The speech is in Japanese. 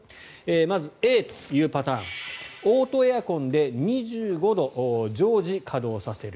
まず、Ａというパターンオートエアコンで２５度常時稼働させる。